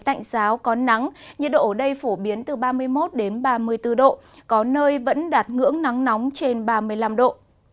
tạnh giáo có nắng nhiệt độ ở đây phổ biến từ ba mươi một đến ba mươi bốn độ có nơi vẫn đạt ngưỡng nắng nóng trên ba mươi năm độ